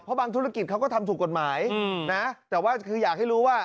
เพราะบางธุรกิจเขาก็ทำถูกกฎหมายนะแต่ว่าคืออยากให้รู้ว่า